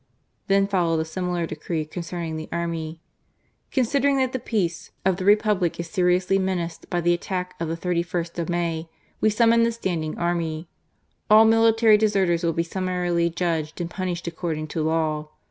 Then followed a similar decree concerning the army. " Considering that the peace of the Republic is seriously menaced by the attack of the 31st of May, we summon the standing army. All military deserters will be summarily judged and punished according to law.